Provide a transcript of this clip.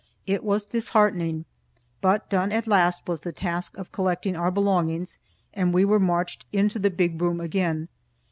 It was disheartening, but done at last was the task of collecting our belongings, and we were marched into the big room again.